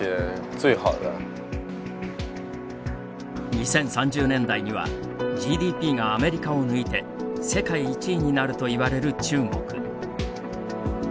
２０３０年代にはＧＤＰがアメリカを抜いて世界１位になると言われる中国。